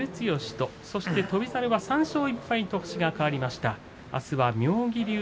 翔猿は３勝１敗と星が変わりました。